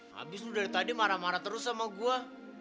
habis lu dari tadi marah marah terus sama gue